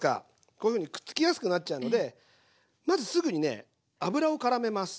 こういうふうにくっつきやすくなっちゃうのでまずすぐにね油をからめます。